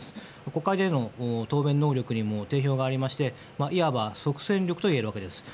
国会での答弁能力にも定評がありましていわば即戦力といえるわけです。